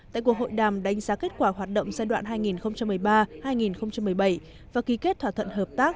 tại cuộc hội đàm đánh giá kết quả hoạt động giai đoạn hai nghìn một mươi ba hai nghìn một mươi bảy và ký kết thỏa thuận hợp tác